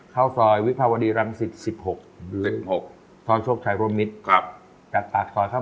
ข้าวซอยวิภาวดีรัมศิษฐ์